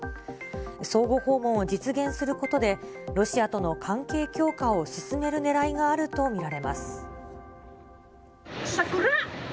相互訪問を実現することで、ロシアとの関係強化を進めるねらいがあると見られます。